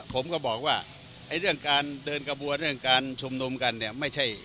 ผมก็บอกว่าไอ้เรื่องการเดินกระบวนเรื่องการชุมนุมกันเนี่ยไม่ใช่